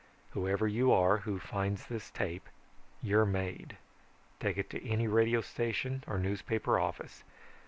Whoever you are who finds this tape, you're made. Take it to any radio station or newspaper office.